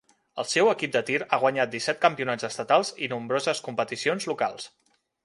El seu equip de tir ha guanyat disset campionats estatals i nombroses competicions locals.